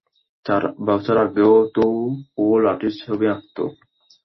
চার বছর আগেও তো ও লাঠির ছবি আঁকতো।